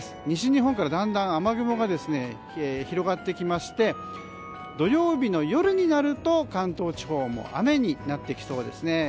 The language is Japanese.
西日本からだんだん雨雲が広がってきまして土曜日の夜になると関東地方も雨になってきそうですね。